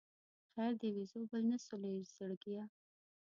خیر دې وي ژوبل خو نه شولې زړګیه.